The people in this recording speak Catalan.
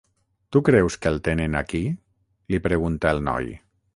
Tu creus que el tenen aquí? —li pregunta el noi.